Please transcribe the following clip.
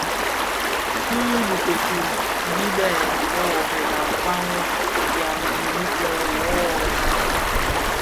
Ti bitoki yi tè woworèn akpaň byamèn yiiki kè worrena,